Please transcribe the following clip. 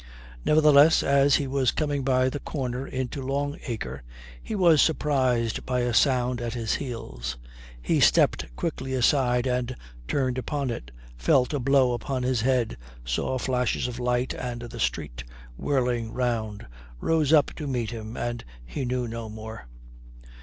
Nevertheless, as he was coming by the corner into Long Acre, he was surprised by a sound at his heels. He stepped quickly aside and turned upon it, felt a blow upon his head, saw flashes of light and the street, whirling round, rose up to meet him, and he knew no more.